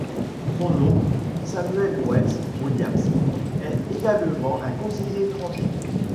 Son oncle, Samuel Wells Williams, est également un conseiller étranger.